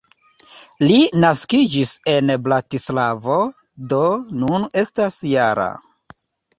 Li naskiĝis en Bratislavo, do nun estas -jara.